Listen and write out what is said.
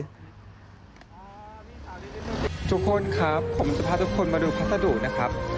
ทุกคนครับผมจะพาทุกคนมาดูพัสดุนะครับ